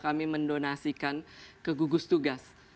kami mendonasikan ke gugus tugas